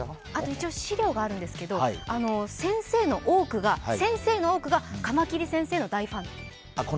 一応資料があるんですけど、先生の多くがカマキリ先生の大ファン。